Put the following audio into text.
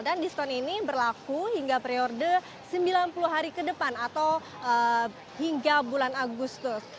dan diskon ini berlaku hingga periode sembilan puluh hari ke depan atau hingga bulan agustus